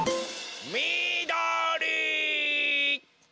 みどり！